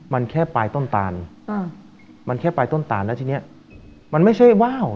มันแค่ปลายต้นตาลมันแค่ปลายต้นตานแล้วทีเนี้ยมันไม่ใช่ว่าว